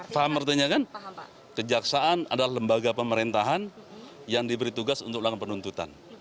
paham artinya kan kejaksaan adalah lembaga pemerintahan yang diberi tugas untuk melakukan penuntutan